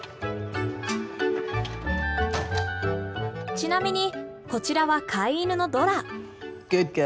ちなみにこちらは飼い犬のドラ。